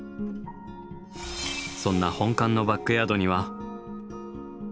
そんな本館のバックヤードには。